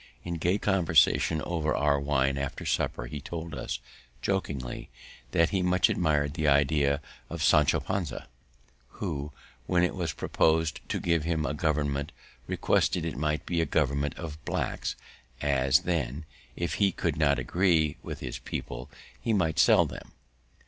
In gay conversation over our wine, after supper, he told us, jokingly, that he much admir'd the idea of Sancho Panza, who, when it was proposed to give him a government, requested it might be a government of blacks, as then, if he could not agree with his people, he might sell them.